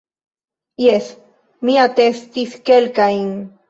Jes, mi atestis kelkajn.